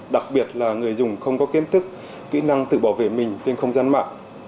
đặc biệt là người dùng không có kiến thức kỹ năng tự bảo vệ mình trên không gian mạng